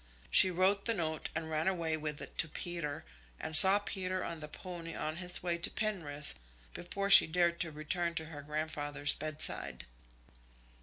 She wrote the note, and ran away with it to Peter, and saw Peter on the pony on his way to Penrith, before she dared to return to her grandfather's bedside.